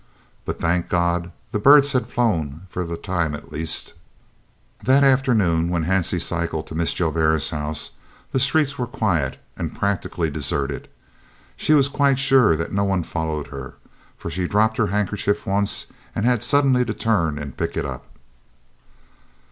But, thank God! the birds had flown for the time at least. That afternoon, when Hansie cycled to Mrs. Joubert's house, the streets were quiet and practically deserted. She was quite sure that no one followed her, for she dropped her handkerchief once and had suddenly to turn and pick it up.